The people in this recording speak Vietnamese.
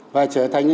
và trở thành